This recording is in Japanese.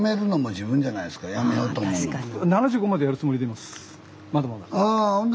まだまだ。